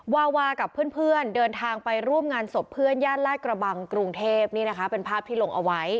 วาวากับเพื่อนเดินทางไปร่วมงานศพเพื่อนย่านลาดกระบังกรุงเทพนี่นะคะเป็นภาพที่ลงเอาไว้